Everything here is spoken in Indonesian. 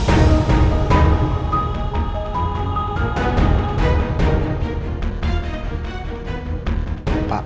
terima kasih pak